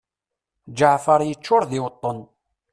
Ǧeɛfer yeččur d iweṭṭen.